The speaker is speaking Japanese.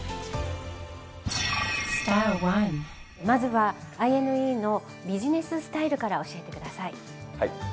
まずはＩ−ｎｅのビジネススタイルから教えてください。